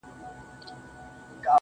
بیا به په عابـــــــد پسي ارمان کوي